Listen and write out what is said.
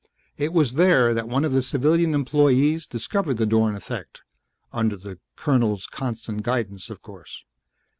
It was there that one of the civilian employees discovered the Dorn effect under the Colonel's constant guidance, of course.